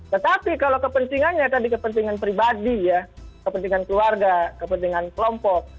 tetapi kalau kepentingannya tadi kepentingan pribadi ya kepentingan keluarga kepentingan kelompok